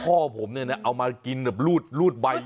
พ่อผมเนี่ยนะเอามากินแบบรูดใบ